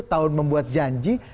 tahun membuat janji